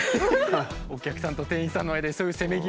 お客さんと店員さんの間にそういうせめぎ合いがある。